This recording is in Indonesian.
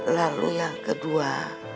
lalu yang kedua